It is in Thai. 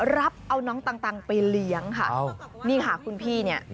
รับเอาน้องตังไปเลี้ยงค่ะนี่ค่ะคุณพี่เนี่ย